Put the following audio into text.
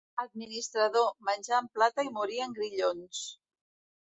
Administrador, menjar en plata i morir en grillons.